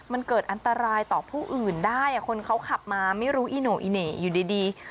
มันเกิดอันตรายต่อผู้อื่นได้คนเขาขับมาไม่รู้อีโน่อีเหน่อยู่ดี